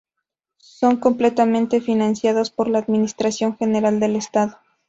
Son completamente financiados por la Administración General del Estado.